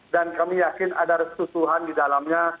dan kami yakin ada kesusuhan di dalamnya